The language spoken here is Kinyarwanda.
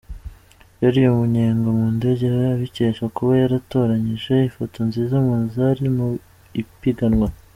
Yariye umunyenga mu ndege abikesha kuba yaratoranyije ifoto nziza mu zari mu ipiganwa.